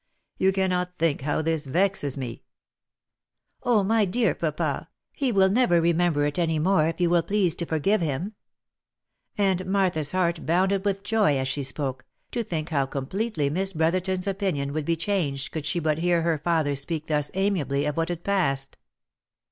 You cannot think how this vexes me." " Oh ! my dear papa, he will never remember it any more if you will please to forgive him." And Martha's heart bounded with joy as she spoke, to think how completely Miss Brotherton's opinion would be changed could she but hear her father speak thus amiably of what had passed.